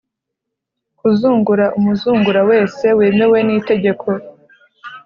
Kuzungura umuzungura wese wemewe n itegeko